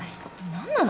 何なの？